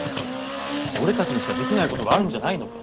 俺たちにしかできないことがあるんじゃないのか？